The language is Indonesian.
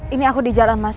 ini aku di jalan mas